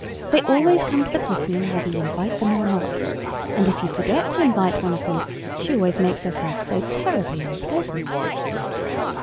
They always come to the christening whether you invite them or not, and if you forget to invite one of them she always makes herself so terribly unpleasant."